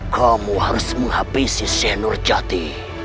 kamu harus menghabisi senur jati